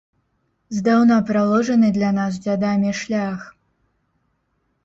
Здаўна праложаны для нас дзядамі шлях.